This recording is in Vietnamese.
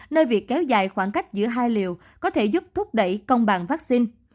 nơi việc kéo dài khoảng cách giữa hai liệu có thể giúp thúc đẩy công bằng vaccine